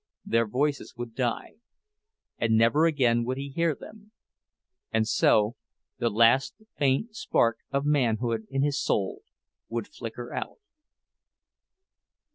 Their voices would die, and never again would he hear them—and so the last faint spark of manhood in his soul would flicker out.